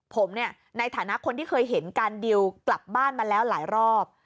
ผมเนี่ยในฐานะคนที่เคยเห็นการดิวกลับบ้านมาแล้วหลายรอบ